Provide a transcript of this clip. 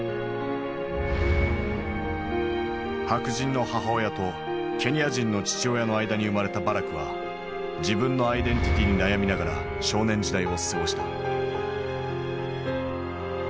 白人の母親とケニア人の父親の間に生まれたバラクは自分のアイデンティティーに悩みながら少年時代を過ごした。